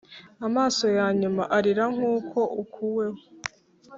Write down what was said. amaso ya nyuma arira nkuko ukuweho.